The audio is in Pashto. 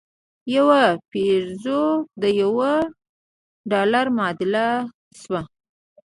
یو پیزو د یوه ډالر معادل شو.